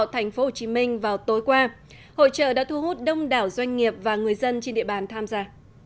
tp hcm vào tối qua hội trợ đã thu hút đông đảo doanh nghiệp và người dân trên địa bàn tham gia